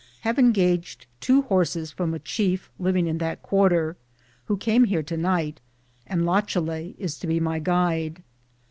Have engaged two horses from a chief living in that quarter, who came here tonight, and Lachalet is to be my guide.